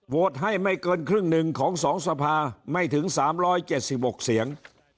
โวทย์ให้ไม่เกินครึ่งหนึ่งของสองสภาไม่ถึงสามร้อยเจสสี่บกเสียง